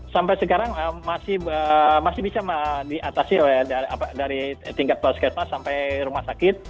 sampai sekarang masih bisa diatasi dari tingkat puskesmas sampai rumah sakit